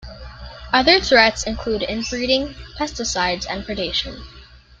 Other threats include inbreeding, pesticides and predation.